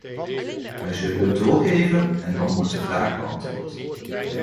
Wij zullen het doorgeven, en dan wordt de vraag beantwoord.